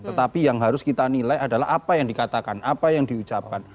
tetapi yang harus kita nilai adalah apa yang dikatakan apa yang diucapkan